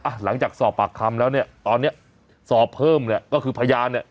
หลังจากสอบปากคำแล้วเนี่ยตอนเนี้ยสอบเพิ่มเนี่ยก็คือพยานเนี่ย